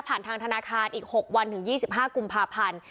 ทางธนาคารอีก๖วันถึง๒๕กุมภาพันธ์